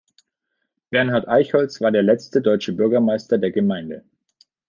Bernhard Eichholz war der letzte deutsche Bürgermeister der Gemeinde.